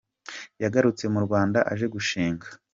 Yagarutse mu Rwanda aje gushinga.